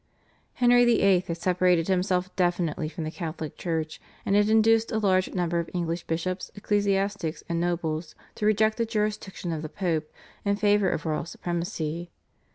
Henry VIII. had separated himself definitely from the Catholic Church and had induced a large number of English bishops, ecclesiastics, and nobles to reject the jurisdiction of the Pope in favour of royal supremacy.